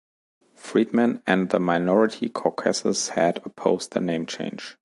Friedman and the minority caucuses had opposed the name change.